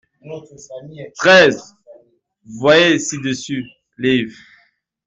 treize Voyez ci-dessus, liv.